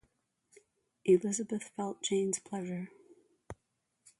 Elizabeth felt Jane's pleasure.